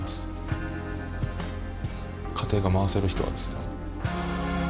家庭が回せる人はですね。